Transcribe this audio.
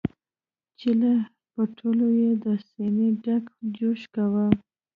چې له پټولو یې د سینې دیګ جوش کاوه.